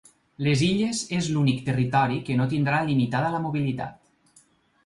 Les Illes és l’únic territori que no tindrà limitada la mobilitat.